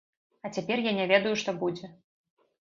А цяпер я не ведаю, што будзе.